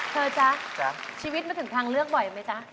จ๊ะชีวิตมันถึงทางเลือกบ่อยไหมจ๊ะ